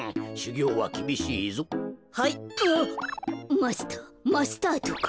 マスターマスタードが。